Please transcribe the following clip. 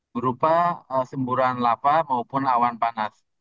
berupa semburan lava maupun awan panas